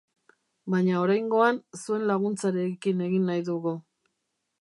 Baina oraingoan, zuen laguntzarekin egin nahi dugu.